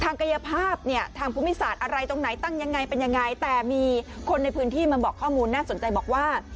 กายภาพเนี่ยทางภูมิศาสตร์อะไรตรงไหนตั้งยังไงเป็นยังไงแต่มีคนในพื้นที่มาบอกข้อมูลน่าสนใจบอกว่า